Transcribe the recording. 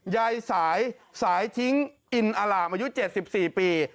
ยายสายสายทิ้งอินอลาอายุเจ็ดสิบสี่ปี